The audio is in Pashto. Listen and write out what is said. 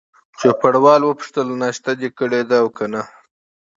چوپړوال وپوښتل: ناشته دي کړې ده او که نه؟